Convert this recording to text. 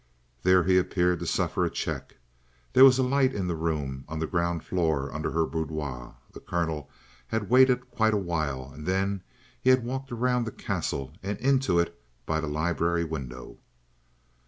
There he appeared to suffer a check. There was a light in the room on the ground floor under her boudoir. The Colonel had waited quite a while; then he had walked round the Castle and into it by the library window.